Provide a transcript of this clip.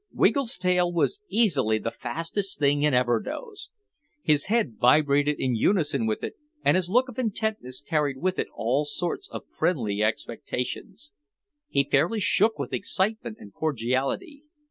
Wiggle's tail was easily the fastest thing in Everdoze. His head vibrated in unison with it and his look of intentness carried with it all sorts of friendly expectations. He fairly shook with excitement and cordiality.